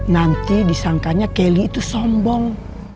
nanti disangkanya kelly itu sombong